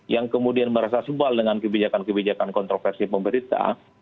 yang kemudian merasa sebal dengan kebijakan kebijakan kontroversi pemerintah